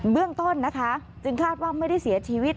เรื่องต้นนะคะจึงคาดว่าไม่ได้เสียชีวิต